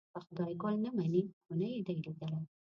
که خدای ګل نه مني خو نه یې دی لیدلی.